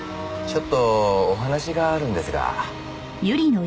ちょっとお話があるんですが。